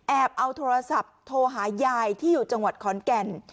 เอาโทรศัพท์โทรหายายที่อยู่จังหวัดขอนแก่น